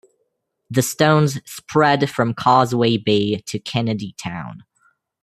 The stones spread from Causeway Bay to Kennedy Town.